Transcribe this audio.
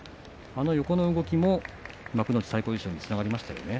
あの横の動きも幕内最高優勝につながりましたよね